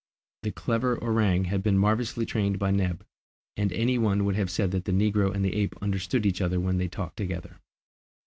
The clever orang had been marvellously trained by Neb, and any one would have said that the negro and the ape understood each other when they talked together.